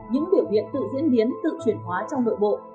những biểu hiện tự diễn biến tự chuyển hóa trong nội bộ